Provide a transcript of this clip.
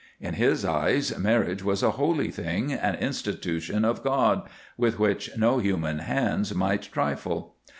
In his eyes marriage was a holy thing, an institution of God, with which no human hands might trifle.